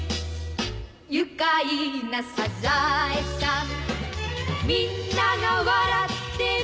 「愉快なサザエさん」「みんなが笑ってる」